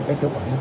cái tiêu quản